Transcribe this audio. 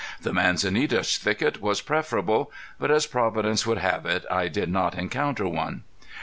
The manzanita thicket was preferable. But as Providence would have it I did not encounter one.